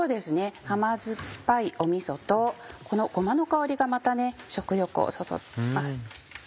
甘酸っぱいみそとこのごまの香りがまた食欲をそそります。